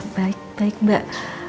baik baik mbak